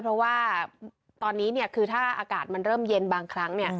เพราะว่าตอนนี้คือถ้าอากาศมันเริ่มเย็นบางครั้ง